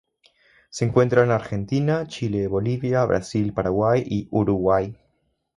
Se encuentra en Argentina, Chile Bolivia, Brasil, Paraguay y Uruguay.